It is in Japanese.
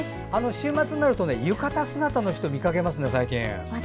週末になると浴衣姿の人見かけますよね、最近ね。